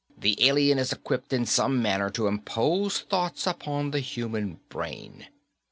The alien is equipped in some manner to impose thoughts upon the human brain.